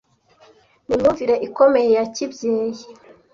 n'imyumvire ikomeye ya kibyeyi